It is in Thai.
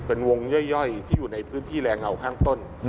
เป็นวงย่อยที่อยู่ในพื้นที่แรงเงาข้างต้น